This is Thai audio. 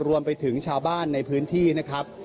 รวมไปถึงชาวบ้านในพื้นที่นะครับ